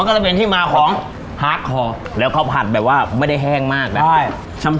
มันก็จะเป็นที่มาของหักคอแล้วเขาผัดแบบว่าไม่ได้แห้งมากแหละใช่